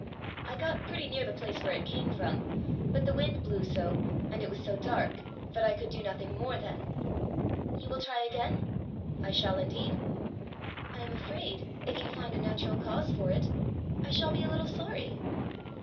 "I got pretty near the place it came from. But the wind blew so, and it was so dark, that I could do nothing more then." "You will try again?" "I shall indeed." "I am afraid, if you find a natural cause for it, I shall be a little sorry."